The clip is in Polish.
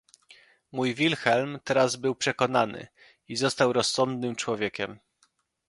"Mój Wilhelm teraz był przekonany i został rozsądnym człowiekiem."